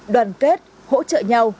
đoàn kết hỗ trợ nhau